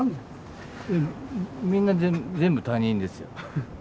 みんな全部他人ですよ